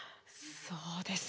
そうですよね。